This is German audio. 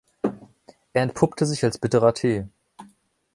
Er entpuppte sich als bitterer Tee.